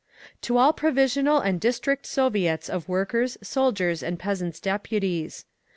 _"To all Provincial and District Soviets of Workers', Soldiers' and Peasants' Deputies.